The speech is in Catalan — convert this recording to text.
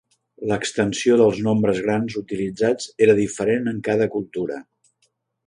L'extensió dels nombres grans utilitzats era diferent en cada cultura.